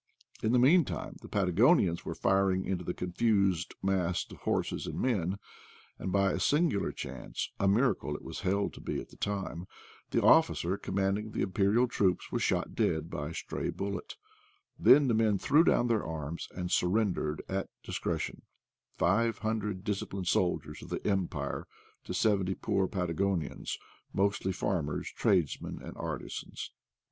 In the meantime the Patagonians were firing into the confused mass of horses and men; and by a singular chance — a miracle it was held to be at the * time — the officer commanding the Imperial troops was shot dead by a stray bullet; then the men threw down their arms and surrendered at dis cretion — 500 disciplined soldiers of the Empire to seventy poor Patagonians, mostly farmers, trades men, and artisans.